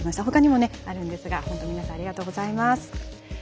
ほかにもあるんですが本当に皆さんありがとうございます。